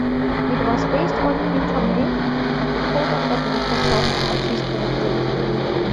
It was based on InterMail, a product that Microsoft purchased and updated.